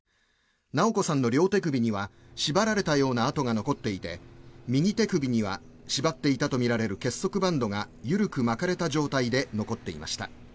直子さんの両手首には縛られたような痕が残っていて右手首には縛っていたとみられる結束バンドが緩く巻かれた状態で残っていました。